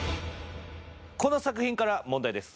この作品から問題です。